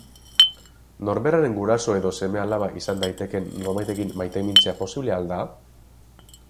Norberaren guraso edo seme alaba izan daitekeen norbaitekin maitemintzea posible al da?